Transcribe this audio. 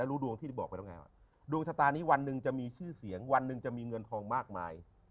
รู้ดวงที่บอกไปแล้วไงว่าดวงชะตานี้วันหนึ่งจะมีชื่อเสียงวันหนึ่งจะมีเงินทองมากมาย